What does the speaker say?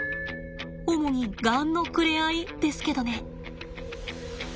主にガンのくれ合いですけどね。